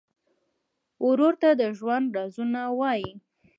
ورور ته د ژوند رازونه وایې.